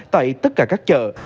tại tất cả các chợ